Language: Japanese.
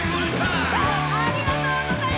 ありがとうございます！